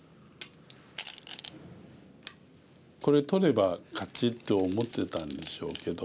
これ取れば勝ちと思ってたんでしょうけど。